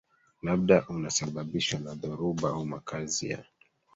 labda unasababishwa na dhoruba au makazi ya